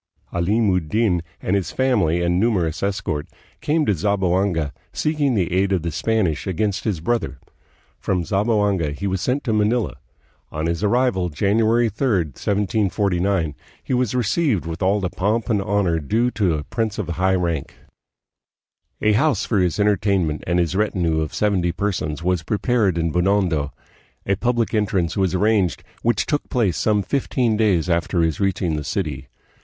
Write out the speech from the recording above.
Alim ud Din, with his family and numerous escort, came to Zamboanga, seeking the aid of the Spanish against A CENTURY OF OBSCURITY. 166S 1762. 227 his brother. From Zamboanga he was sent to Manila. On his arrival, January 3, 1749, he was received with all the pomp and honor due to a prince of high rank. A house for his entertainment and his retinue of seventy per sons was prepared in Binondo. A public entrance was arranged, which took place some fifteen days after his reaching the city.